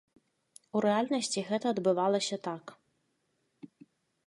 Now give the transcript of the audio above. У рэальнасці гэта адбывалася так.